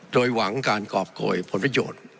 โดยหวังการกรอบโกยผลประโยชน์